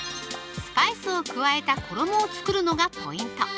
スパイスを加えた衣をつくるのがポイント